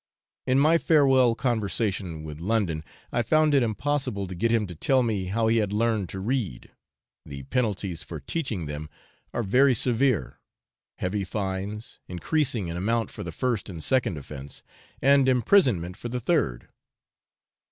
In my farewell conversation with London I found it impossible to get him to tell me how he had learned to read: the penalties for teaching them are very severe, heavy fines, increasing in amount for the first and second offence, and imprisonment for the third.